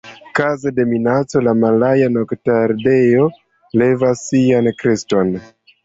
Kaze de minaco, la Malaja noktardeo levas sian kreston.